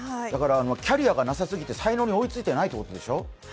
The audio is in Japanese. だからキャリアがなさすぎて、才能に追いついてないということでしょ。